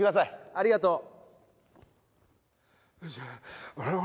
ありがとう。